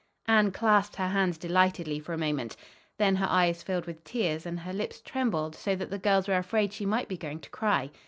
Anne clasped her hands delightedly for a moment. Then her eyes filled with tears and her lips trembled so that the girls were afraid she might be going to cry.